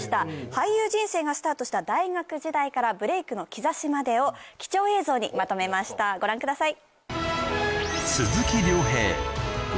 俳優人生がスタートした大学時代からブレイクの兆しまでを貴重映像にまとめましたご覧ください